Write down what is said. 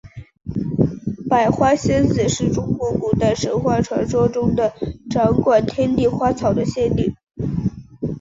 百花仙子是中国古代神话传说中掌管天地花草的仙女。